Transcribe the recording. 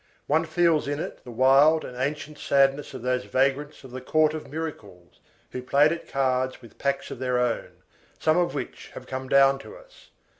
One feels in it the wild and ancient sadness of those vagrants of the Court of Miracles who played at cards with packs of their own, some of which have come down to us.